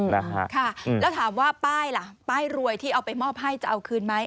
นะฮะค่ะแล้วถามว่าป้ายล่ะป้ายรวยที่เอาไปมอบให้จะเอาคืนไหม